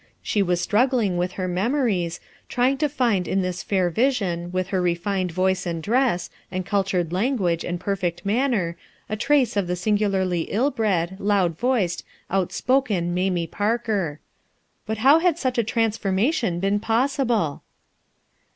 She was struggling with her memo ries; trying to find in this fair vision, with her refined voice and dress, and cultured language and perfect manner, a trace of the singularly ill bred, loud voiced, outspoken Mamie Parker How had such a transformation been possible?